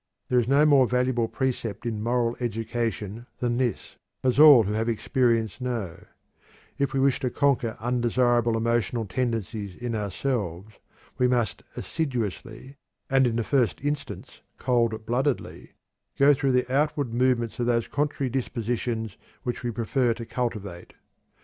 There is no more valuable precept in moral education than this, as all who have experience know: If we wish to conquer undesirable emotional tendencies in ourselves, we must assiduously, and in the first instance cold bloodedly, go through the outward movements of those contrary dispositions which we prefer to cultivate.